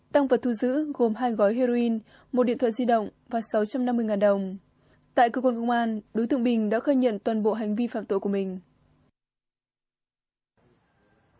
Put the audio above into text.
tăng vật thu giữ gồm hai gói heroin một điện thoại di động và sáu trăm năm mươi đồng tại cơ quan công an đối tượng bình đã khai nhận toàn bộ hành vi phạm tội của mình